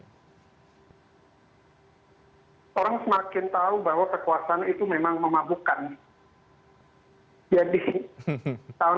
orang semakin tahu bahwa kekuasaan itu memang memabukkan